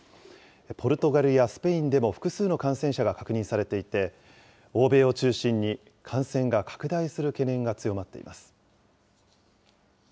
ポルトガルやスペインでも複数の感染者が確認されていて、欧米を中心に、感染が拡大する懸念が強まっています。